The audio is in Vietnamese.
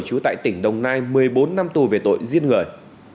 trú tại tỉnh đồng nai một mươi bốn năm tù về tội giết người